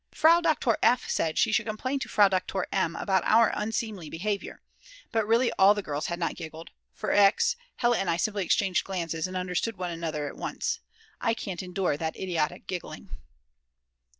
Frau Doktor F. said she should complain to Frau Doktor M. about our unseemly behaviour. But really all the girls had not giggled, for ex. Hella and I simply exchanged glances and understood one another at once. I can't endure that idiotic giggling.